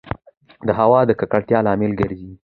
د هــوا د ککــړتـيـا لامـل ګـرځـي